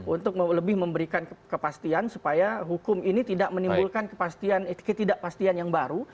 untuk lebih memberikan kepastian supaya hukum ini tidak menimbulkan ketidakpastian yang baru